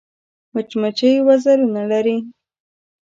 مچمچۍ وزرونه لري